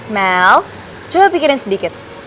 mel coba pikirin sedikit